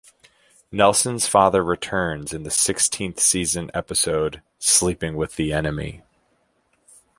Nelson's father returns in the sixteenth season episode "Sleeping with the Enemy".